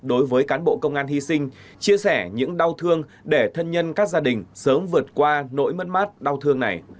đối với cán bộ công an hy sinh chia sẻ những đau thương để thân nhân các gia đình sớm vượt qua nỗi mất mát đau thương này